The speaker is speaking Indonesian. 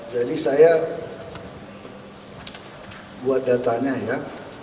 jadi saya buat datanya ya